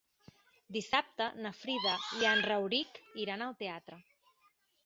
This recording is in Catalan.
Dissabte na Frida i en Rauric iran al teatre.